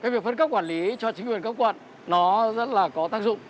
việc phân cấp quản lý cho chính quyền các quận nó rất là có tác dụng